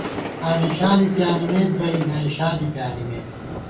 آنِݪا بی پیانِمېت بئ ، گائیݪا بی پیانِمېت